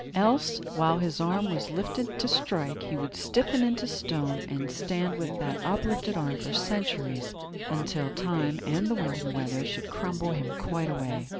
Else, while his arm was lifted to strike, he would stiffen into stone, and stand with that uplifted arm for centuries, until time, and the wind and weather, should crumble him quite away.